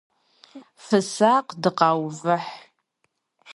Фысакъ, дыкъаувыхь!